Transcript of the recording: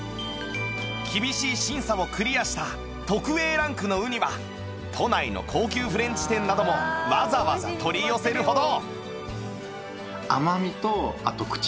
厳しい審査をクリアした特 Ａ ランクのウニは都内の高級フレンチ店などもわざわざ取り寄せるほど